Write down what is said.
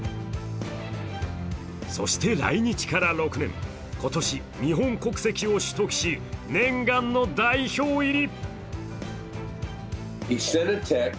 そして来日から６年、今年、日本国籍を取得し念願の代表入り。